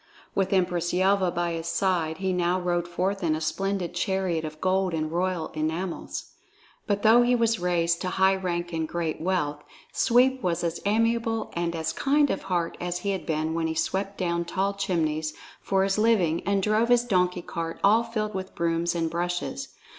With Empress Yelva by his side, he now rode forth in a splendid chariot of gold and royal enamels. But though he was thus raised to high rank and great wealth, Sweep was as amiable and as kind of heart as he had been when he swept down tall chimneys for his living and drove his donkey cart all filled with brooms and brushes.